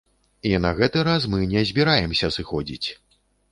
І на гэты раз мы не збіраемся сыходзіць!